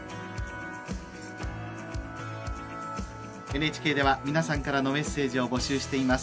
ＮＨＫでは皆さんからのメッセージを募集しています。